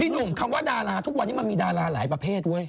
หนุ่มคำว่าดาราทุกวันนี้มันมีดาราหลายประเภทเว้ย